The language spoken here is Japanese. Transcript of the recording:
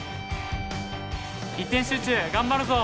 一点集中頑張るぞ！